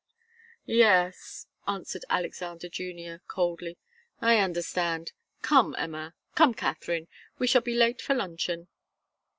"Yes," answered Alexander Junior, coldly. "I understand. Come, Emma come, Katharine we shall be late for luncheon."